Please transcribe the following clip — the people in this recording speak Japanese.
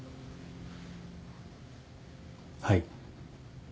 はい。